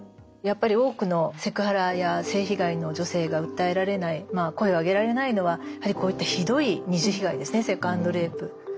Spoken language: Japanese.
やっぱり多くのセクハラや性被害の女性が訴えられない声を上げられないのはやはりこういったひどい二次被害ですねセカンドレイプ。